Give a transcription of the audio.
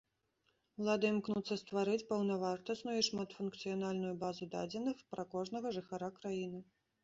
Улады імкнуцца стварыць паўнавартасную і шматфункцыянальную базу дадзеных пра кожнага жыхара краіны.